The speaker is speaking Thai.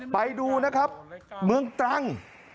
ไปดูนะครับเมืองตรัง